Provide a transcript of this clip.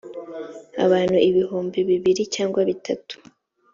abantu ibihumbi bibiri cyangwa bitatu.